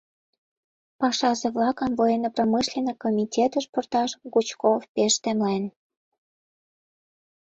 Пашазе-влакым Военно-промышленный комитетыш пурташ Гучков пеш темлен.